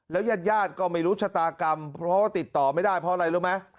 ยาดก็ไม่รู้ชะตากรรมเพราะว่าติดต่อไม่ได้เพราะอะไรรู้ไหม